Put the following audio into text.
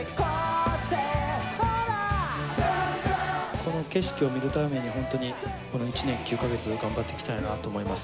この景色を見るために、本当にこの１年９か月、頑張ってきたんやなと思います。